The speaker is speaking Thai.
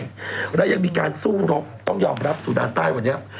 แล้วยังมีการสู้รบต้องยอมรับสู่ด้านใต้วันนี้